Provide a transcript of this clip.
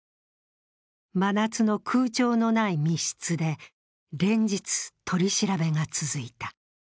真夏の空調のない密室で連日取り調べが続いた。